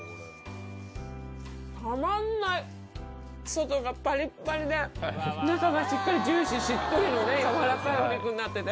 外がパリッパリで中がしっかりジューシーしっとりの軟らかいお肉になってて。